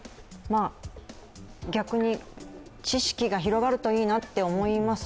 逆に、知識が広がるといいなって思います。